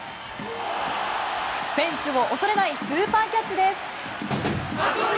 フェンスを恐れないスーパーキャッチです！